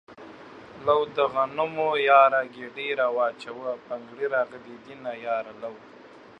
لو ده دغنمو ياره ګيډی را واچوه بنګړي راغلي دينه ياره لو